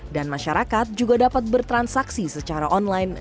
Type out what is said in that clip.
dan masyarakat juga dapat bertransaksi secara online